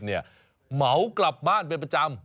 เหมากลับบ้านเป็นประจำ